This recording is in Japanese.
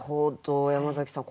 山崎さん